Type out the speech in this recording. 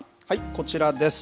こちらです。